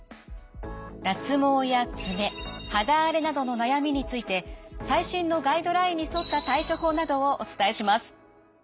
脱毛や爪肌荒れなどの悩みについて最新のガイドラインに沿った対処法などをお伝えします。